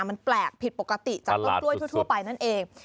มันกล้วยทั่วไปนั่นเอง